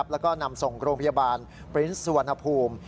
แล้วก็นำส่งโรงพยาบาลปรินท์สุวรรณภูมิ